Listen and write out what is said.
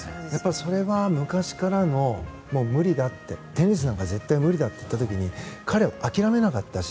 それは、昔からのテニスなんか絶対に無理だといった時に彼は諦めなかったし